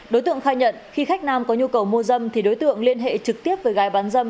đối tượng khai nhận khi khách nam có nhu cầu mua dâm thì đối tượng liên hệ trực tiếp với gái bán dâm